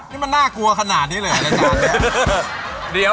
นี่มันน่ากลัวขนาดนี้เลยอะไรต่างนี้